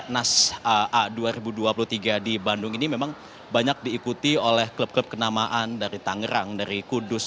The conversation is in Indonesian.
nas a dua ribu dua puluh tiga di bandung ini memang banyak diikuti oleh klub klub kenamaan dari tangerang dari kudus